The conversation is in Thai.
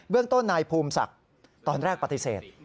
เรื่องต้นนายภูมิศักดิ์ตอนแรกปฏิเสธ